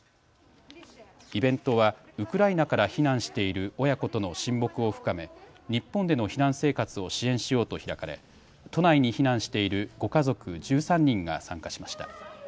イベントはウクライナから避難している親子との親睦を深め日本での避難生活を支援しようと開かれ都内に避難している５家族１３人が参加しました。